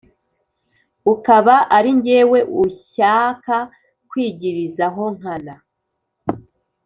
ukaba ari jyewe ushyaka kwigirizaho nkana